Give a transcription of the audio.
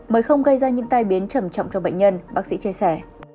mới không gây ra những tai biến trầm trọng cho bệnh nhân bác sĩ chia sẻ